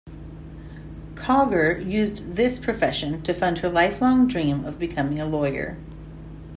Kauger used this profession to fund her lifelong dream of becoming a lawyer.